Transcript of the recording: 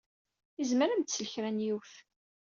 Izmer ad m-d-tsel kra n yiwet.